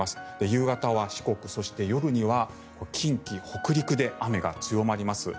夕方は四国そして夜には近畿、北陸で雨が強まります。